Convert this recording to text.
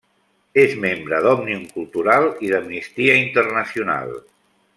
És membre d'Òmnium Cultural i d'Amnistia Internacional.